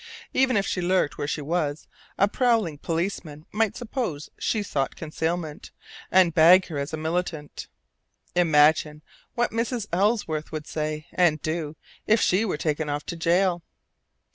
Even if she lurked where she was, a prowling policeman might suppose she sought concealment, and bag her as a militant. Imagine what Mrs. Ellsworth would say and do if she were taken off to jail!